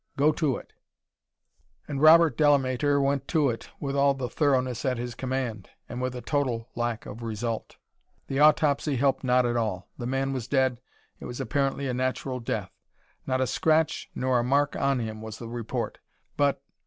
Go to it." And Robert Delamater "went to it" with all the thoroughness at his command, and with a total lack of result. The autopsy helped not at all. The man was dead; it was apparently a natural death. "Not a scratch nor a mark on him," was the report. But